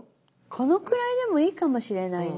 このくらいでもいいかもしれないな。